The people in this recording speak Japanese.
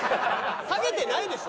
ハゲてないでしょ？